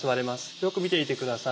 よく見ていてください。